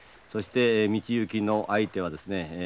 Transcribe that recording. そして道行きの相手はですね